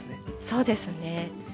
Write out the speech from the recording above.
そうですね。